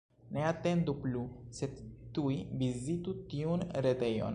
Ne atendu plu, sed tuj vizitu tiun retejon!